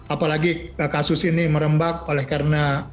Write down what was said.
apalagi kasus ini merembak oleh karena